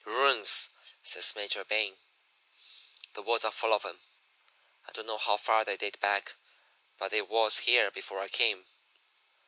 "'Ruins!' says Major Bing. 'The woods are full of 'em. I don't know how far they date back, but they was here before I came.'